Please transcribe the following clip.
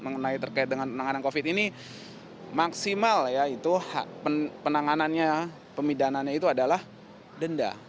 mengenai terkait dengan penanganan covid ini maksimal ya itu hak penanganannya pemidannya itu adalah denda